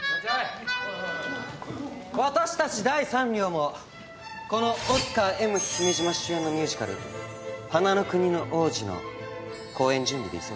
私たち第三寮もこのオスカー・Ｍ・姫島主演のミュージカル『花の国の王子』の公演準備で忙しい。